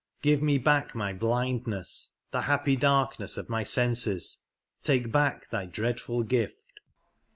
Give me back my blindness — the happy darkness of my senses ; take back thy dreadful gift